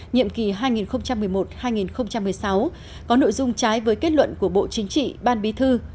nhiệm kỳ hai nghìn một mươi một hai nghìn một mươi sáu có nội dung trái với kết luận của bộ chính trị ban bí thư